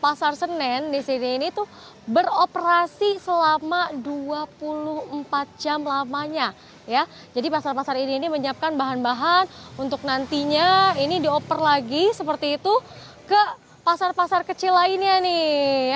ya ini pasang pasang ini di sini di sini di sini di sini di sini ini tuh beroperasi selama dua puluh empat jam lamanya ya jadi pasar pasar ini ini menyiapkan bahan bahan untuk nantinya ini dioper lagi seperti itu ke pasar pasar kecil lainnya nih ya